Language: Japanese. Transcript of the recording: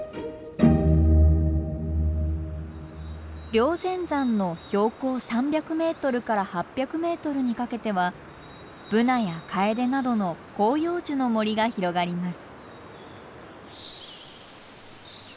霊仙山の標高３００メートルから８００メートルにかけてはブナやカエデなどの広葉樹の森が広がります。